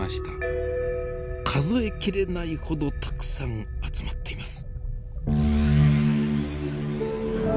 数え切れないほどたくさん集まっています。